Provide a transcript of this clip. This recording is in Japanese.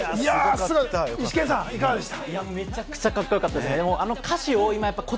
イシケンさん、いかがでした？